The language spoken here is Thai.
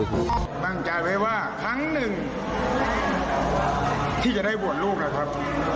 ตั้งใจไว้ว่าครั้งหนึ่งที่จะได้บวชลูกนะครับ